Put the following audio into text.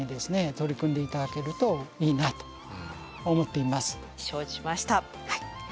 取り組んで頂けるといいなと思っています。